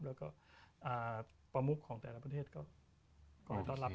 แล้วก็ประมุขของแต่ละประเทศก็คอยต้อนรับ